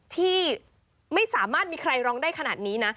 ที่ไม่สามารถมีใครร้องได้ขนาดนี้นะ